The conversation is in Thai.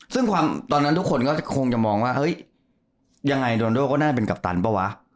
ซึ่งความตอนนั้นทุกคนก็คงจะมองว่าเฮ้ยยังไงโดนโดก็น่าเป็นกัปตันเปล่าวะ